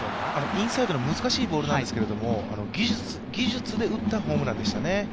インサイドの難しいボールなんですけども技術で打ったホームランでしたね。